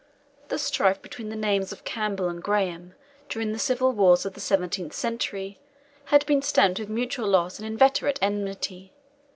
The strife between the names of Campbell and Graham, during the civil wars of the seventeenth century, had been stamped with mutual loss and inveterate enmity.